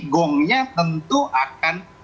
gongnya tentu akan